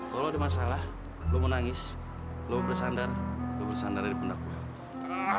kalau ada masalah lo mau nangis lo mau bersandar lo bersandar aja di pendak gue